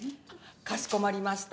かしこまりました。